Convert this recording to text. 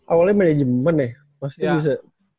awalnya manajemen ya pasti bisa